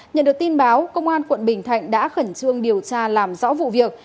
nhận được tin báo công an quận bình thạnh đã khẩn trương điều tra làm rõ vụ việc